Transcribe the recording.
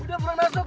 udah belum masuk